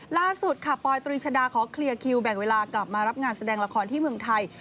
ล่าสุดค่ะปอยตรีชดาขอเคลียร์คิวแบ่งเวลากลับมารับงานแสดงละครที่เมืองไทย